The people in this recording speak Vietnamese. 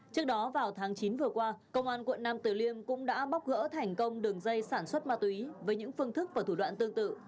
trước đó vào tháng chín vừa qua công an quận nam từ liêm cũng đã bóc gỡ thành công đường dây sản xuất ma túy với những phương thức và thủ đoạn tương tự